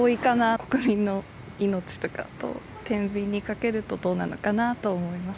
国民の命とかとてんびんにかけると、どうなのかなと思います。